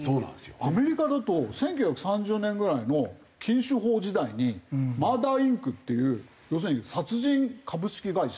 アメリカだと１９３０年ぐらいの禁酒法時代にマーダー・インクっていう要するに殺人株式会社。